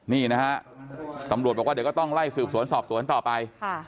นี่นะฮะตำรวจบอกว่าเดี๋ยวก็ต้องไล่สืบสวนสอบสวนต่อไป